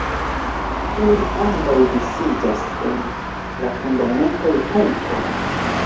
Ili ambaŭ disiĝas en la fundamentaj punktoj.